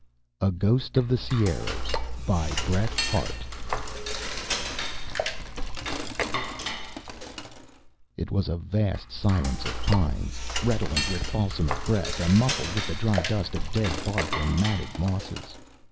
A GHOST OF THE SIERRAS It was a vast silence of pines, redolent with balsamic breath, and muffled with the dry dust of dead bark and matted mosses.